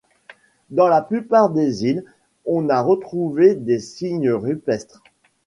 Dans la plupart des îles, on a retrouvé des signes rupestres.